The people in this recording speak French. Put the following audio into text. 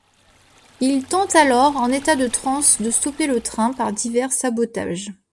Il tente alors, en état de transe de stopper le train par divers sabotages.